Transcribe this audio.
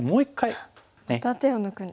また手を抜くんですね。